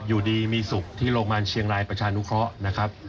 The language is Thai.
อยู่ดีมีสุขที่โรงพยาบาลเชียงรายประชานุเคราะห์นะครับ